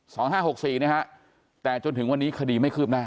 ห้าหกสี่นะฮะแต่จนถึงวันนี้คดีไม่คืบหน้า